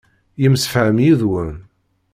Yemsefham yid-wen.